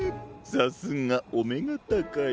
さすがおめがたかい。